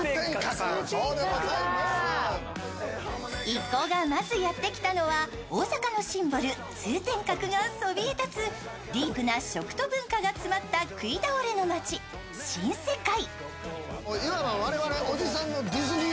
一行がまずやってきたのは大阪のシンボル通天閣がそびえ立つディープな食と文化が詰まった食い倒れの街、新世界。